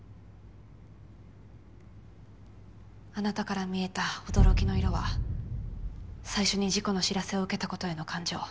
あなたから見えた「驚き」の色は最初に事故の知らせを受けたことへの感情。